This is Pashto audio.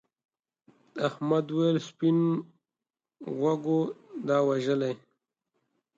احمد وویل سپین غوږو دا وژلي.